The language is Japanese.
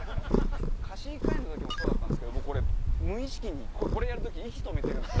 かしいかえんの時もそうだったけど無意識にこれやる時息止めてるんです。